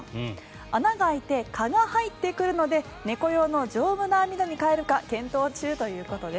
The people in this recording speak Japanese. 穴が開いて蚊が入ってくるので猫用の丈夫な網戸に替えるか検討中ということです。